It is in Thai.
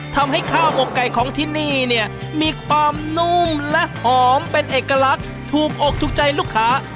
ทำให้ข้าวหมกไก่ของที่นี่เนี่ยมีความนุ่มและหอมเป็นเอกลักษณ์ถูกอกถูกใจลูกค้า